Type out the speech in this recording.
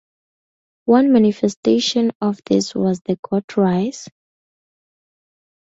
One manifestation of this was the Got Rice?